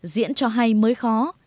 diễn cho hay mới khó